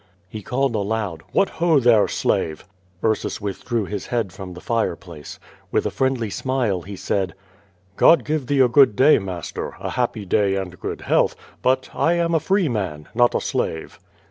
He called aloud, "What ho, there, slave!" Ureus withdrew his head from the fireplace. With a friend ly smile he said: "God give thee a good day, master, a happy day and good healtli, but I am a free man, not a slave."